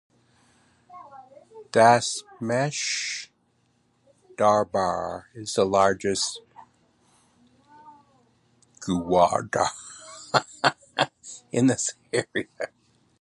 Dasmesh Darbar is the largest Gurudwara in this area.